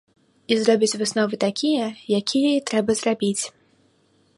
І зробяць высновы такія, якія і трэба зрабіць.